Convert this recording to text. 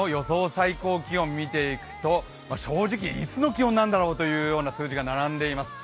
最高気温を見ていくと、正直いつの気温なんだろうと思う数字が並んでいます。